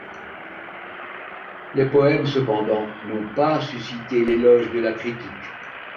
Les poèmes, cependant, n’ont pas suscité l’éloge de la critique.